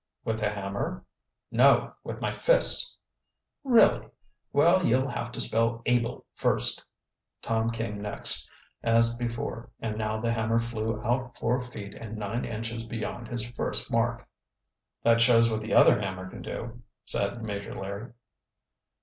"With the hammer?" "No, with my fists." "Really? Well, you'll have to spell able first." Tom came next, as before, and now the hammer flew out four feet and nine inches beyond his first mark. "That shows what the other hammer can do," said Major Larry.